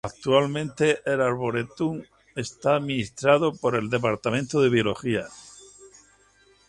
Actualmente el arboretum está administrado por el departamento de biología.